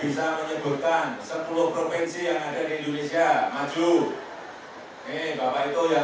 bisa menyebutkan sepuluh provinsi yang ada di indonesia maju ini bapak itu yang